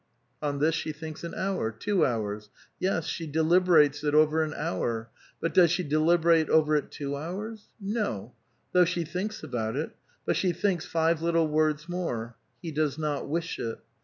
On this slie thinks an hour, two hours. Yes, she delib erates over it an hour ; but does she deliberate over it two hours ? No, though she tliinks about it ; but she thinks five little words more, ^'He does not wish it."